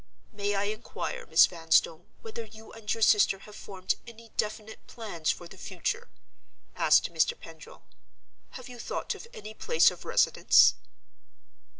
"May I inquire, Miss Vanstone, whether you and your sister have formed any definite plans for the future?" asked Mr. Pendril. "Have you thought of any place of residence?"